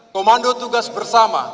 komando tugas bersama